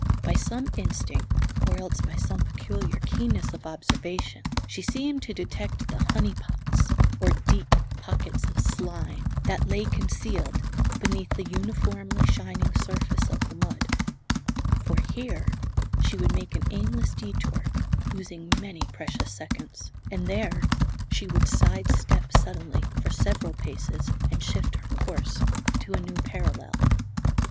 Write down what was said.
By some instinct, or else by some peculiar keenness of observation, she seemed to detect the "honey pots," or deep pockets of slime, that lay concealed beneath the uniformly shining surface of the mud; for here she would make an aimless detour, losing many precious seconds, and there she would side step suddenly, for several paces, and shift her course to a new parallel.